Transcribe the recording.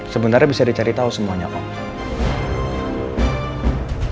sebenarnya bisa dicari tau semuanya om